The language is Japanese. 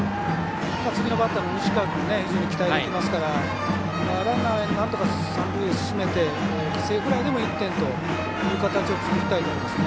次のバッターの西川君が非常に期待できますからランナー、なんとか三塁へ進めて犠牲フライでも１点という形を作りたいところですね。